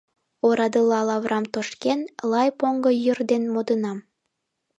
Орадыла лаврам тошкен, Лай поҥго йӱр ден модынам.